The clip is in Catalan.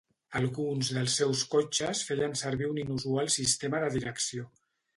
Alguns dels seus cotxes feien servir un inusual sistema de direcció.